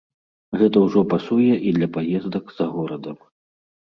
Гэта ўжо пасуе і для паездак за горадам.